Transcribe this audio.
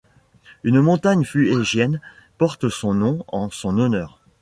Une montagne fuégienne porte son nom en son honneur.